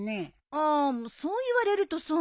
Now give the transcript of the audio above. ああそう言われるとそうね。